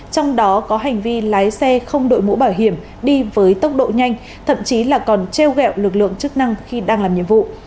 trong đó có hành vi lái xe không đội mũ bảo hiểm đi với tốc độ nhanh thậm chí là còn treo gẹo lực lượng chức năng khi đang làm nhiệm vụ